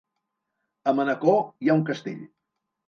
A Manacor hi ha un castell?